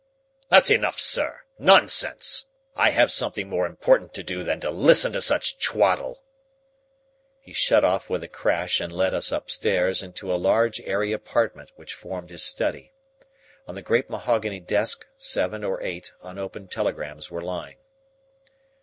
That's enough, sir. Nonsense! I have something more important to do than to listen to such twaddle." He shut off with a crash and led us upstairs into a large airy apartment which formed his study. On the great mahogany desk seven or eight unopened telegrams were lying.